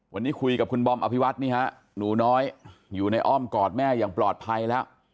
วันนี้คุยกับคุณบอมอภิวัตนี่ฮะหนูน้อยอยู่ในอ้อมกอดแม่อย่างปลอดภัยแล้ว